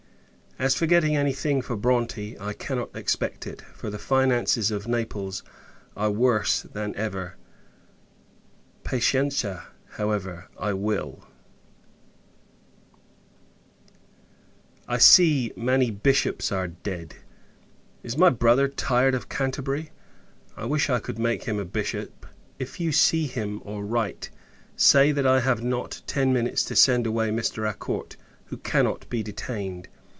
As for getting any thing for Bronte, I cannot expect it; for, the finances of Naples are worse than ever. Patienza, however; I will I see, many Bishops are dead. Is my brother tired of Canterbury? I wish I could make him a Bishop. If you see him, or write, say that I have not ten minutes to send away Mr. Acourt, who cannot be detained.